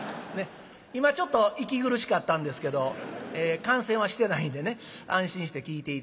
今ちょっと息苦しかったんですけど感染はしてないんでね安心して聴いて頂こうと。